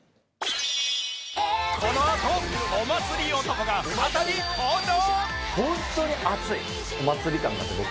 このあとお祭り男が再び登場！